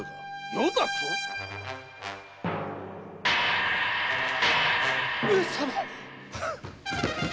「余」だと⁉上様！